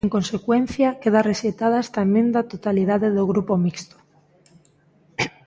En consecuencia, queda rexeitada esta emenda á totalidade do Grupo Mixto.